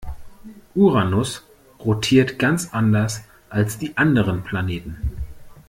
Uranus rotiert ganz anders als die anderen Planeten.